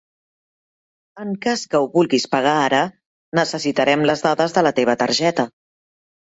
En cas que ho vulguis pagar ara necessitarem les dades de la teva targeta.